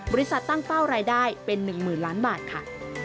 บริษัทตั้งเป้ารายได้เป็น๑๐๐๐๐๐๐๐บาทค่ะ